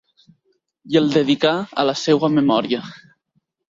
I el dedicà a la seua memòria.